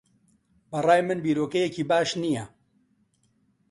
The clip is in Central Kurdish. بە ڕای من بیرۆکەیەکی باش نییە.